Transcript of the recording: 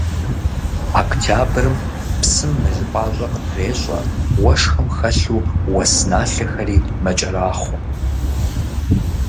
Октябрым псым мыл пӀащӀэ къытрещӀэ, уэшхым хэлъу уэс налъэхэри мэкӀэрахъуэ.